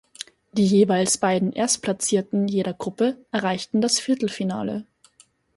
Die jeweils beiden Erstplatzierten jeder Gruppe erreichten das Viertelfinale.